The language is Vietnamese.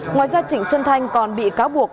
ngoài ra trịnh xuân thanh còn bị cáo buộc